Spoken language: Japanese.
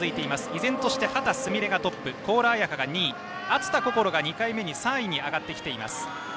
依然として、秦澄美鈴がトップ高良彩花が２位熱田心が２回目で３位に上がってきています。